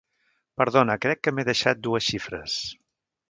Perdona, crec que m'he deixat dues xifres!